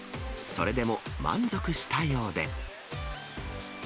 それでも満足したようで。